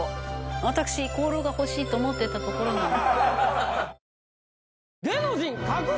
「私香爐が欲しいと思ってたところなの」